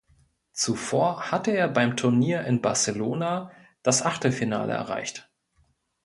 Zuvor hatte er beim Turnier in Barcelona das Achtelfinale erreicht.